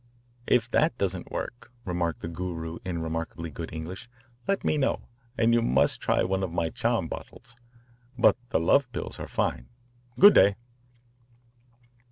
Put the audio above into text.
"If that doesn't work," remarked the Guru in remarkably good English, "let me know, and you must try one of my charm bottles. But the love pills are fine. Good day."